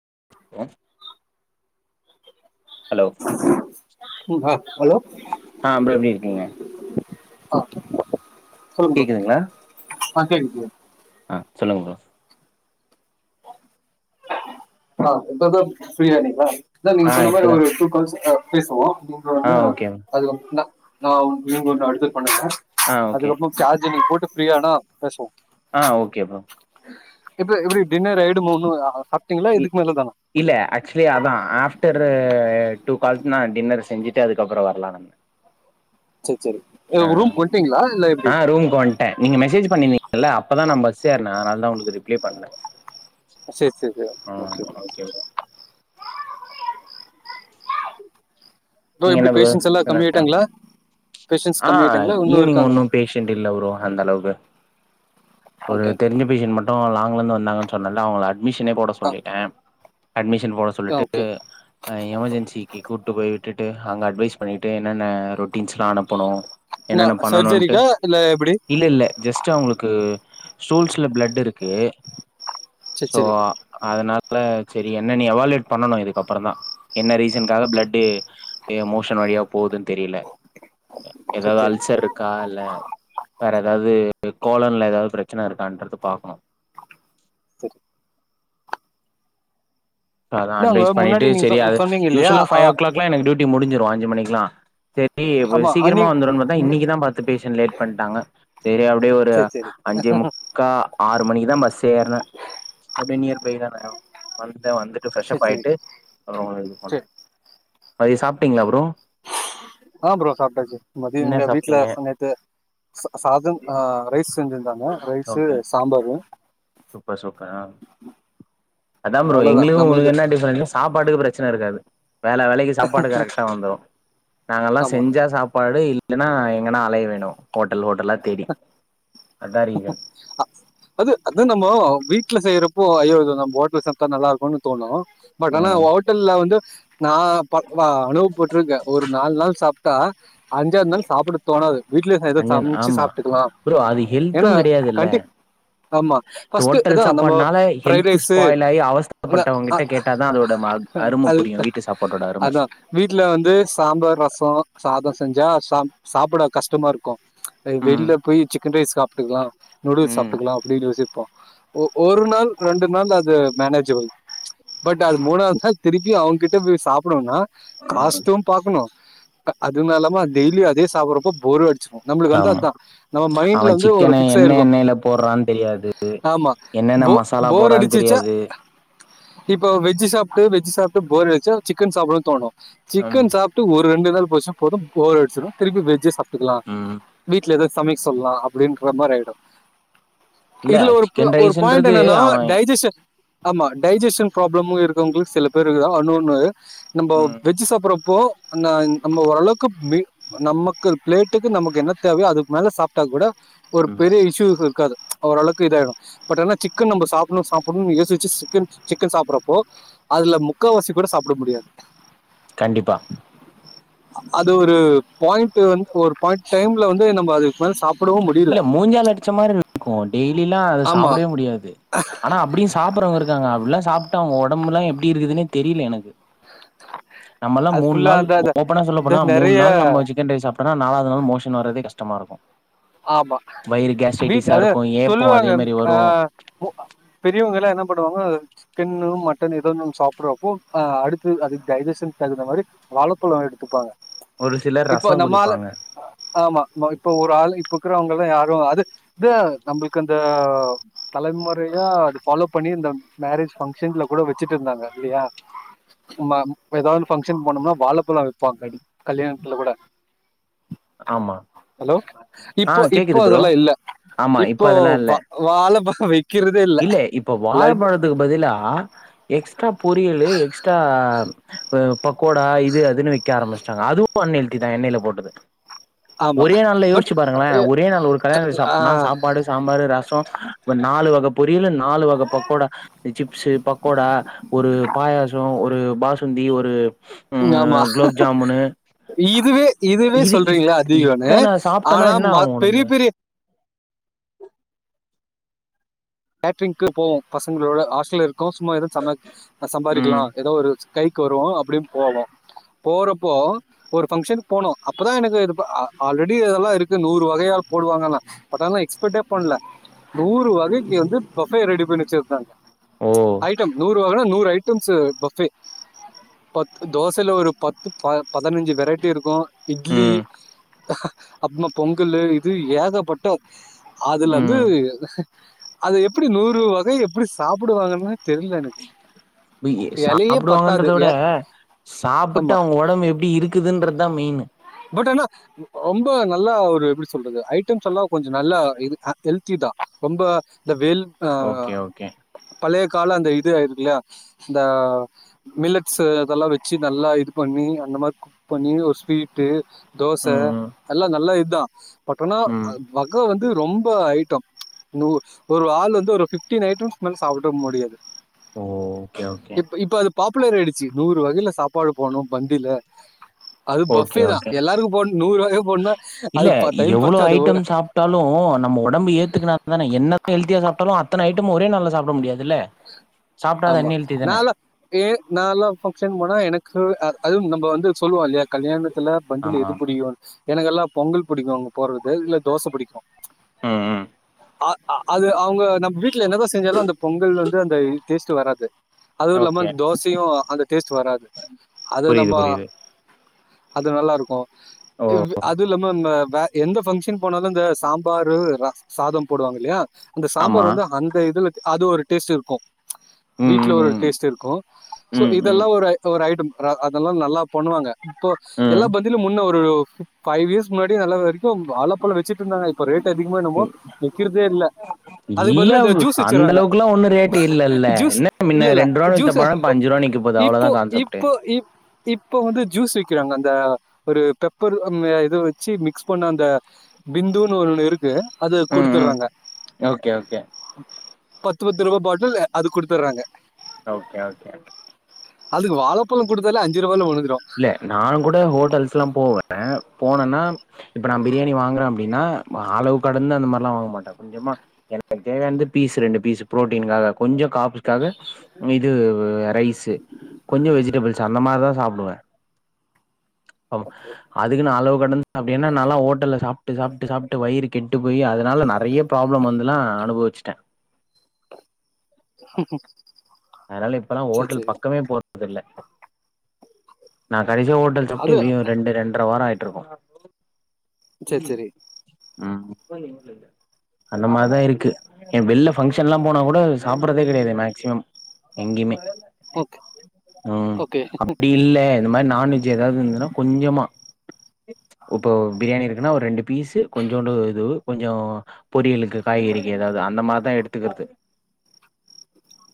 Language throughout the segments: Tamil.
[unintelligible] ம் ஹ ஆஹ் ப்ரோ எப்டிருக்கீங்க ஓகே கேக்குதுங்களா ஆ கேகுது ப்ரோ ஆ சொல்லுங்க ப்ரோ ஆ இப்போத ஃப்ரீ ஆணிங்கள இல்ல நீங்க ஆ சொன்ன மாரி இப்பதா ஒரு [unintelligible] அஹ் பேசுவோ ஆ அப்டின்ருவாங்க ஓகே அது வந்து நா நா இன்னு கொஞ்ச அடுத்து பண்ண போறே ஆ ஓகே அதுக்கப்றோ சார்ஜ நீ போட் டு ஃப்ரீ ஆனா பேசுவோ ஆஹ் ஓக்கே ப்ரோ இப்ப இப்படி டின்னர் ஆய்டு முனு சாப் ட்டிங்ளா இ இது இல்ல ஆக்சுலி அதா ஆஃப்டர்ரு டூ கால்ட்னா டின்னர் செஞ்சுட்டு அதுக்கப்றோ வரலானுருந்தே சரி சரி ஆஹ் ரூம் வந்துட்டீங்களா இல்லை எப்படி ஆஹ் ரூமுக்கு வன்டே நீங்க மெசேஜ் பண்ணிருந்தீங்கல்ல அப்பதா நா பஸ் ஸ் எருன்னே அதனால தா உங்ளுக்கு ரிப்ளே பண்ணல சேர் சேரி ஆ ஓகே ஓக்கே ப்ரோ நீங்க எப்படி என்ன ப்ரோ பேஷண்ட்ஸ் சொ எல்லாம் [unintelligible] கம்மியாயிட்டாங்களா பேஷண்ட்ஸ் ஆ கம்மியாயிட்டாங்களா இன்னும் ஈவினிங் இருக்காங்களா ஒன்னும் பேஷன்ட் இல்ல ப்ரோ அந்த அளவுக்கு ஒரு ஓகே தெரிஞ்ச பேஷன்ட் மட்டும் லாஸ்ட் இருந்து வந்தாங்கன்னு சொன்னல அவங்க அ அட்மிஷனே பேட ஆ சொல்லிட்டே அட்மிஷ் ஷன் போட சொல்லிட்டு ஓகே எமர்ஜென்சிக்கு கூப்ட்டு போய் விட்டுட்டு அங்க அட்வைஸ் பண்ணிட்டு என்னென்ன ரொட்டீன்ஸ்லா அனுப்பனு என்னென்ன நான் பண்ணணும்ட்டு சர்ஜரிக்கா இல்லை எப்படி இல்லல்ல ஜஸ்ட்டு அவுங்ளுக்கு ஸ்டூல்ஸ்ல பிளட்டுருக்கு சரி சோ சரி அதனால ல சேரி என்னனு எவாலுவேட் பண்ணனு இதுக்கப்றந்தா என்ன ரீஸ் ஷன்காக ஓகே பிளட்டு ஏ மோஷன் வழியா போதுன்னு தெரியல சரி ஏதாவது சரி அல்ஸ்சர் இருக்கா இல்ல வேற ஏதாது கோலன்ல ஏதாது பிரச்சன இருக்கான்றத பாக்கணு சரி அதான நாங்க அட்வைஸ் முன்னாடி பண்ணிட்டு நீங்க சொ சேரி அது சொன்னீங்க இல்லையா யூஷ்வலா ஆ பைவ் ஓ க்ளாக்லா எனக்கு டியூட்டி முடிஞ்சுரு அஞ்சு மணிக்லா ரி ஆமா அன்னி சீக்கிரமா வந்துருன்னு பாத்தா இன்னைக்குதா பாத்து பேஷன்ட் லேட் பண்ட்டாங்க சேரி அப்டியே ஒரு சரி சரி அஞ்சே முக்கா ஆறு மணிக்கு தா பஸ் ஏற்னே பெய்தான வந்டே வந்து சரி ப்ரஷ்ஷப் சரி ஆயிட்டு அப்பறோ ஒரு இது பண்ண சரி பாதி சாப்பிட்டீங்ளா ப்ரோ ஆ ப்ரோ சாப்ட்டாச்சு மதியோ என்ன எங்க வீட்டுல சாப்ட்டீங்க நேத்து சா சாதம் ஆ ரைஸ் செஞ்சிருந்தாங்க rice okay sambar super super ஆ அதா ப்ரோ அவ்ளோதா எங்களுக்கு நம்மளுக்கு உங்களுக்கு என்ன டிஃபரண்ட் சாப்பாட்டுக்கு பிரச்சன இருக்காது வேள வேளைக்கு சாப்பாடு கரெக்டா வந்துரும் நாங்க எல்லா ஆமா செஞ்சா சாப்பாடு இல் இல்லன்னா எங்கன்னா அலைய வேணும் அதா ரீசன் அது அது நம்போ வீ ட்ல செய்றப்போ ஐயோ இது நம் ஹோட்டல சாப்பிட்டா நல்ல இருக்கும்ன்னு தோணும் பட் ஆ ஆனா ஹோட்டல்ல வந்து நா ப ப அனுப்பப்பட்டுருக்கே ஒரு நாலு நாள் சாப்ட்டா அஞ்சாவது நாள் சாப்பிட தோணாது வீட்ல செய்யறத அஞ்சன் சாப்புட்ணு ச்சு ஆமா சாப்பிட்டுக்கலா ப்ரோ அது ஹெல்த்து ஏன்னா கெடையாதுல்ல கண்டி ஆமா ஃபர்ஸ்ட்டு ஹோட்டல் அது நம்ம சாப்பாடுனால பிரைட் ஹெல்த் ரைஸு ஸ்பாயில் ஆகி இந்த அவஸ்தப்பட்டவங்க அ கிட்ட கேட்டாதா அதோட ம அரும அது புரியு வீட்டு சாப்பாட்டோட அரும அதா வீட்ல வந்து சாம்பார் ரச சாத செஞ்சா சாப் சாப்பட கஷ்டமா இருக்கு ம் வெளியில போய் சிக்கன் ரைஸ் சாப்ட்டுக்கலா நூடுல்ஸ் ம் சாப்ட்டுக்கலா அப்பிடின்னு யோசிப்போ ஒ ஒரு நாள் ரெண்டு நாள் அது மேனேஜபல் பட் அது மூணாவது நாள் திருப்பி அவன்கிட்ட போய் சாப்ட்டோம்னா காஸ்ட்டு பாக்கணு அதுனாலாம டெய்லியு அதே சாப்பறப்போ போர்யு நம்மளுக்கு அந்த ஆமா அவ சிக்கன என்ன எண்ணெயில போடுறா தெரியாது ஆமா என்னென்ன மசாலா போடுறான் தெரியாது இப்ப வெஜ் சாப்ட்டு வெஜ் சாப்ட்டு போர் அடிச்சா சிக்கன் சாப்பனு தோணு ம் சிக்கன் சாப்ட்டு ஒரு ரெண்டு நாள் போச்சுன்னா போது போரடிச்சிரு திருப்பி வெஜ்யே சாப் பிட்டுக்கலா ம் ட்ல ஏதாது சமைக்க சொல்லலா அப்டின்ற மாரி ஆய்டு இல்ல இதுல ஒரு ப் சிக்கன் ஒரு பாயிண்ட் ரைஸ்ன்றது என்னன்னா அவ டைஜஸன் ஆமா டைஜஸன் ப்ராப்ளமு இருக்கறவங்களுக்கு சில பேருக்குதா அ இன்னொன்னு நம்ம ம் வெஜ் சாப்பிற போ நா நம்ம ஓரளவுக்கு பி நமக்கு பிளேட்டுக்கு நமக்கு என்ன தேவையே அதுக்கு மேல சாப்ட்ட கூட ஒரு ஆமா பெரிய இஸ்யூகு இருக்காது ஓரளவுக்கு இதாயிடு பட் ஏன்னா சிக்கன் நம்ம சாப்டணு சாப்பணும்னு யோசிச்சு சிக்கன் சிக்கன் சாப்பறப்போ அதுல முக்காவாசி கூட சாப்ட முடியாது கண்டிப்பா அது ஒரு பாயிண்ட் வந் ஒரு பாயிண்ட் டைம் ல வந்து நம் அதுக்கு சாப் இல்ல மூஞ்சாலடிச்ச மாரிருக்கு டெய்லியு அத ஆமா சாப்டவே முடியாது ஆனா அபடியு சாப்பறவங்க இருக்காங்க அப்டிலா சாப் ட்டா அவங்க ஒடம்புல்லா எப்டி இருக்குதுன்னே தெரியல எனக்கு நம்மல்லா அது மூணு ஃபுல்லாக நாள் அந்த அந்த- ஓபனா சொல்ல இந்த போனா மூணு நிறைய நாள் நம்ம சிக்கன் ரைஸ் சாப் அனா நாலாவது நாள் மோஷன் வர்றதே கஷ்டமா இருக்கு ஆமா வயிறு வீட் கேஸ்ட்ரைட்டிஸா அது இருக்கு ஏப்போ அதே சொல்லுவாங்க மாரி வரு ஆஹ் பெரியவங்கல்ல என்னாப் சாப்டுவாங்க சிக்கன்ன மட்டன் ஏத சாப்பிடுவப்போ அஹ் அடுத்து அதுக்கு டைஜூஷன் தகுந்த மாரி வாழப்பலோ எடுத்துப்பாங்க ஒரு சிலர் இப்போ ரசோ நம்ம ஆல குடிப்பாங்க அஹ் ஆமா இப்ப ஒரு ஆள் இப்ப இக்கறவங்கல்லா யாரு அது நம்மளுக்கு அந்த தலைமுறையா அது பாலோ பண்ணி இந்த மேரேஜ் பங்க்ஷன்ல கூட வச்சுட்டுருந்தாங்கா இல்லையா மா ஏதாவது பங்க்ஷன் போனோம்னா வாழப் பழ வைப்பாங்க கல்யாண இல்ல கூட ஆமா ஹலோ ஆ இப்போ இப்போ கேக்குது ப்ரோ அதெல்லாம் இல்ல ஆமா இப்ப இப்போ அதெல்லா இல்ல வாழ ச [unintelligible] இல்ல இப்ப வாழப்பழத்துக்கு பதிலா எக் எக்ஸ்ட்ரா பொரியலு எக்ஸ்ட்ரா ஹ பக்கோடா இது அதுன்னு விக்க ஆரம்பிச்சுட்டாங்க அதுவும் அன் ஹெல்த்தி தான் எண்ணெயில போட்டது ஆமா ஒரே நாள்ல பட் யோசிச்சு பாருங்களேன் ஒரே நாள் ஒரு கல்யாண ஆ சாப்பிட்டனா சாப்பாடு சாம்பார் ரசம் இப்ப நாலு வகைப்ப புரியலேன்னா நாலு வகை பக்கோடா சிப்சு பக்கோடா ஒரு பாயாசம் ஒரு ஒரு பாசுந்தி ஒரு ஆமா ம் குலோப் ஜாமுனு இதுவே இதுவே இது இத் சொல்றீங்களே அதிகன்னு இத்தன ஆனா மத் பெரிய பெரிய உ கேட்ரிங்கு போவோம் பசங்களோட ஹஸ்டலே கோசமா ஏதோ ச ம் சம்பாதிக்கலாம் ஏதோ ஒரு கை வருவோம் அப்படி போவோம் போறப்போ ஓரு ஃபங்ஷன் போனோம் அப்போ தான் எனக்கு ஆல்ரெடி அதெல்லாம் இருக்கு நூறு வகையா போடுவாங்கனு பட் ஆனா எக்ஸ்பர்டே பண்ணல நூறு வகை வந்து பஃபே ரெடி பண்ணி வச்சிருந்தாங்க ஓ ஐட்டம் நூறு இதை விட நூறு ஐட்டம்ஸ் பஃபே பத்து தோசைல ஒரு பத்து பதினஞ்ச வெரைட்டி இருக்கும் இட்லி ம் அப்புன பொங்கலு இது ஏகப்பட்ட அதுலேந்து ம் அது எப்படி நூறு வகை எப்புடி சாப்புடுவாங்கன்னு ய்யு இலையே பத்தாது சாப்பிடுவாங்கன்றத விட ஏ- சாப்புட்டு ஆமா அவுங் ஒடம்பு எப்டி இருக்குதுன்றதா மெயின்னு பட் ஆனா ரொம்ப நல்லா ஒரு எப்படி சொல்றது ஐட்டம்ஸல்லா கொஞ்ச நல்லா இது அ ஹெல்த்தி தா ரொம்ப இந்த வேல் ஆ ஓகே ஓகே பழைய கால அந்த இது ஆயிருக்குல்ல இந்த மில்லட்ஸ் அதெல்லா வச்சு நல்லா இது பண்ணி அந்த மாரி குக் பண்ணி ஒரு ஸ்வீட்டு தோச ம் ம் எல்லா நல்லா இ த்தா பட் ஆனா அ ம் மகா வந்து ரொம்ப ஐட்டம் நூர்ஸ் ஒரு ஆள் வந்து ஒரு பிஃப்டீன் ஐட்டம்ஸ்கு மேல சாப்பிட முடியாது ஓ ஓகே ஓகே பாப்புலராயிடுச்சு நூறு வகையில சாப்பாடு போணு பந்தில அது ஓகே பஃபே தான் ஓகே எல்லாருக்கும் போடணும் நூறு வகை போடணும்னா அது இல்ல டைம் எவ்வளோ பத்தாது ஐட்ட ஒரு சாப்ட்டாலு நம்ம ஒடம்பு ஏத்துக்குனா தான என்னத்த ஹெல்த்தியா சாப் த்தரு அத்தன ஐட்டமு ஒரே நாள்ள சாப்புட முடியாதுல்ல சாப்ட்டா அது ஆமா அன்ஹெல்தி தான நாலா ஏ நாலா ஃபங்க்ஷன் போனா எனக்கு அது அதுவு நம் இப்ப வந்து சொல்வொ இல்லையா கல்யாண த்துல பந்தில ஆமா எது ஆமா புரியுன்ஸ் எனகெல்லா பொங்கல் புடிக்கு போட்றது இல்ல தோசை புடிக்கு ம் ம் ஆ அ அது அவுங்க நம்ம வீட்ல என்னதா செஞ்சாலு அந்த பொங்கல் வந்து அந்த இ டேஸ்ட்டு வராது அதுவு இல்லாம ஓகே அந்த தோசையு டேஸ்ட் வராது அது புரியுது நம்மொ புரியுது அது நல்லாருக்கு ஓ வ் அது இல்லாம அம்ம வே எந்த ஃங்க்ஷன் போனாலு இந்த சாம்பாரு ரஷ் சாதம் போடுவாங் இல்லயா அந்த ஆமா சாம்பார் வந்து அந்த இதுல அது ஒரு டேஸ்ட் இருக்கு ம் வீட்ல ம் ஒரு ம் டேஸ்ட் இருக்கு ஸோ ம் ம் இதெல்லா ஒரு ஐ ஒரு ஐட்ட அத அதெல்லா நல்லா பண்ணுவாங்க இப்போ ம் எல்லா பந்திலு முன்ன ஒருவ் ஃபைவ் இயர்ஸ் முன்னாடி நல்ல [unintelligible] போ வாழப்பழ வச்சுட்ருந்தாங்க இப்ப ரேட்டு அதிகமோ என்னமோ ம். விக்கிறதே இல்ல. அதுக்கு இல்ல பதிலா இந்த வ் ஜூஸ் அந்த வச்சுர்றாங்க. அளவுக்குல்லா ஒன்னு ரேட் இல்லல்ல ஜூஸ் என்ன இல்ல, மின்ன இல்ல. ரெண்டு ரூவா வித்த ஜூஸ் பழ இப்ப அஞ்சு ரூவா நிக்க போது இப்போ அவ்வளோதா கான்செப்டே இப்போ இப் இப்போ வந்து ஜூஸ் விக்குறாங்க அந்த ஒரு பெப்பர் ம் இது வச்சு மிக்ஸ் பண்ண அந்த பிந்துன்னு ஒன்னு இருக்கு அது ம் ம் குடுத்துற்றாங்க ஓகே ஓகே பத்து பத்து ரூவா பாட்டுல் அது குடுத்துற்றாங்க ஓகே ஓகே அதுக்கு வாழபழ குடுத்தாலே அஞ்சு ரூவால ஒரு இல்ல நாகூட ஹோட்டல்ஸ்லா போவே ன போனனா இப்ப நா பிரியாணி வாங்கற அப்டினா அளவு கடந்து அந்த மாரிலாம் வாங்க மாட்ட கொஞ்சமா எனக்கு தேவையானது பீஸ் ரெண்டு பீஸ் பு்ரோட்டீன்காக கொஞ்ச கார்ப்ஸ் காக இது ரைஸு கொஞ்ச வெஜிடபிள்ஸ் அந்த மாரிதா சாப்புடுவ ஆமா அதுக்குன்னு அளவ் வர்னன் அப்பிடினா நால்லா ஓட்டல்ல சாப் ட்டு சாப்புட்டு சாப்புட்டு வயிறு கெட்டு போய் அதனால நறைய ப்ராப்ளம் வந்துல்லா அனுபவிச்சுட்ட அதனால இப்பல்லாம் சரி, ஹோட்டல் சரி. பக்கமே போறதில்ல நா கடைசியா ஓட்டல் சாப்புட்டு அது எப்பிடியு ரெண்டு ரெண்டர வாரம் ஆயி ட்டுருக்கோம் செரி செரி ஆக மொத்தம் ஊர்ல இல்ல அந்த மாரிதா இருக்கு ஏ வெளில ஃங்க்ஷன்லா போனா கூட சாப்புடறதே கெடையாது மேக்சிமம் எங்கியுமே ஓகே, ம் ஓகே. அப்டி இல்லே இந்த ம் ம் அப்பிடில்ல இந்த மாரி நான்வெஜ் ஏதாவது இருந்துன்னா கொஞ்சமா இப்போ பிரியாணி இருக்குன்னா ஒரு ரெண்டு பீஸு கொஞ்சோண்டு இது கொஞ்சம் பொரியலுக்கு காய்கறிகள் எதாவது அந்த மாரிதான் எடுத்துக்கறது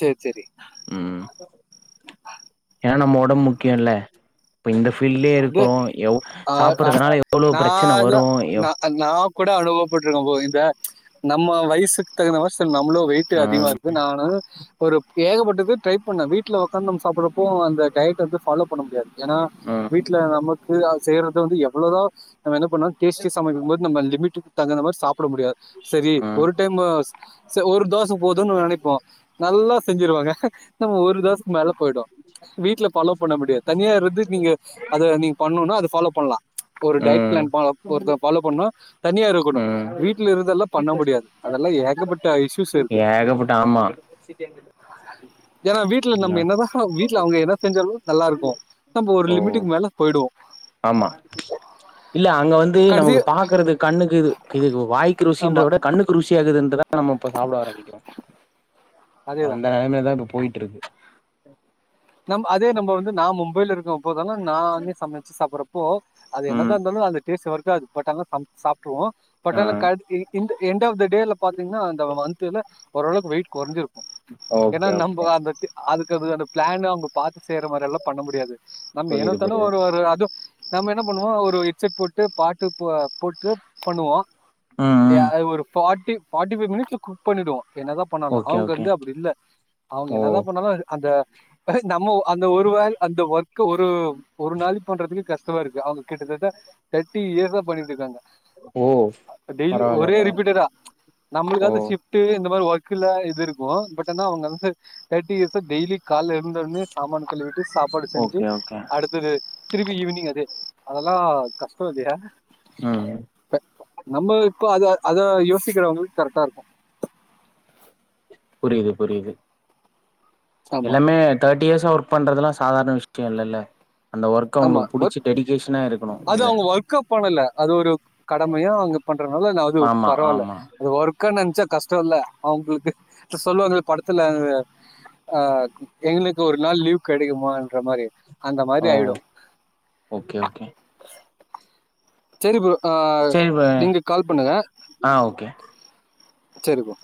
செரி ம் ஏன்னா நம்ம ஒடம்பு முக்கியல்ல அது அ அ சாப்புறதுனால எவ்ளோ பிரச்சன நால்லா வரு எவ் ந நா கூட அவ்வளவோ அனுபவபட்ருக்க போ இந்த நம்ம வயசுக்கு தகுந்த மாரி சா இவ்ளோ வெயிட்டு அதிகமா ம் இருக்கு நானா ஒரு ஏகப்பட்டது ட்ரை பண்ண வீட்ல ஒக்காந்து நம்ம சாப்புடறப்போ அந்த டயட் வந்து ஃபாலோ பண்ண முடியாது ஏன்னா ம் வீட்ல நம்ம ஃபிரிலான்ஸ் செய்யறது வந்து எவ்ளோதா நம் ப்பனா டேஸ்டியா சமைக்கும் போது நம்ம லிமிட் தகுந்த மாரி சாப் ப்பட போட முடியாது சரி ம் ஒரு டைமு சரி ஒரு தோச போதும்ன்னு நெனப்போ நல்லா செஞ்சிருவாங்க நம்ம ஒரு தோசைக்கு மேல போயிடு வீட்ல பல பண்ண முடியாது தனியா இருந்து நீங்க அது நீ பண்ணணு அது ஃபாலோ பண்லாம் ஒரு டயட் ம் பிளான் ப ஒருத்த ஃபாலோ பண்ணா தனியா இருக்கணு ம் வீட்ல இருந்தெல்லா பண்ண முடியாது அதெல்லா ஏகப்பட்ட இஷூஸ் இருக்கு ஏகப்பட்ட ஆமா ஏன்னா வீட்ல நம்ம என்னதா வீட்ல அவங்க எதெ செஞ்சாலும் நல்லா இருக்கும் நம்ம ஒரு ஓ லிமிட் லிமிட்டுக்கு மேல போயிடுவோம் ஆமா இல்ல அங்க வந்து கடைசி நமக்கு பாக்குறது கண்ணுக்கு இது இது வாய்க்கு ருசின்ற ஆமா விட கண்ணுக்கு ருசியாகுதுன்ற நம்ம இப்ப சாப்ட ஆரம்பிக்கிறோ அதேதான் [unintelligible] போயிட்ருக்கு அதெல்லா நானே சமச்சு சாப்புற போ அது ம் என்னதா இருந்தாலு அந்த டேஸ் வரு அது போட்டாங்க சமச்சி சாப் ட்ருவோ பட் ஆ ஆனா [unintelligible] எண்ட் ஆஃப் த டேல பாத்தீங்ன்னா அந்த மந்த்ல ஓரளவுக்கு வெயிட் கொறஞ்சிருக்கு ஏனா ஓகே நம்ப ஓகே அந்த அதுக்கு அது அடு பிளான் அவங்க பாத்து செய்ற மாரியெல்லா பண்ண முடியாது நம் புரியுது ஏனத்தானோ புரியுது ஒரு ஒரு அது நம்ம என்ன பண்ணுவோ ஒரு ஹெட்செட் போட்டு பாட்டு போ போட்டு பண்ணுவோ ம் ஏ ம் அது ஒரு ஃபாட்டி ஃபாட்டி ஃபை மினிட்ஸ்ல குக் பண்ணிடுவோ என்னதா பண்ணாலு ஓகே அவங்க ஓகே வந்து அப்டி இல்ல அவங்க ஓ என்னதா பண்ணாலு அந்த இப்ப நம்ம அந்த ஒருவ அந்த ஒர் க்கு ஒரு ஒரு நாளிக்கு பண்றதுக்கே கஷ்டமாருக்கு அவங்க கிட்டதட்ட தெட்டி இயர் [unintelligible] பண்ணிட்ருக்காங்க ஓ டெய்லி பரவால்ல ஒரே பரவால்ல ரிபீட்டடா ஓ நம்ளுக்காவது சிஃப்ட்டு இந்த மாரி ஒ ல இதுருக்கு பட் ஆனா அவங்க வந்து தேட்டி இயர்ஸா டெய்லி கால்ல எழுந்த ஒண்ணே சமானான் கழி விட்டு சாப்பாடு செஞ்சு ஓகே ஓகே அடுத்தது திருப்பி ஈவினிங் அது அதெலா கஷ்டொ இல்லையா ம் இப்ப நம்ம இப்போ அத அத யோசிக்கிறவங்ளுக்கு கரெக்டாருக்கு புரிது புரிது ஆமா எல்லாமே தேட் இயர்ஸ் ஒர்க் பண்றதுல்லா சாதாரண விஷயோ இல்ல இல்ல ஆமா ஒர்க் இருக்கணு அது அதுல அவங்க ஒர்க்கா பண்ணல அது ஒரு கடமையா அவங்க பண்றனால அது ஆமா பரவால ஆமா அது ஒர்க்கா நெனச்சா கஷ்டோ இல்ல அவுங்களுக்கு சொல்லுவாங்க படத்துல ஆ எங்களுக்கு ஒரு நாள் லீவ் கொடைக்குமான்ற மாரி அந்த ஓ மாதி ஆயிடு ஓகே ஓகே செரி ப்ரோ செரிப்ப நீங்கள் கால் ஆ ஓகே செரி ப்ரோ